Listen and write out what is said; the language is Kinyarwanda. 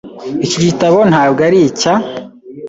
Iki gitabo ntabwo ari icya .